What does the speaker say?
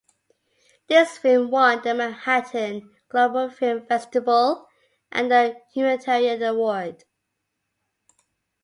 This film won the Manhattan Global Film Festival and a Humanitarian Award.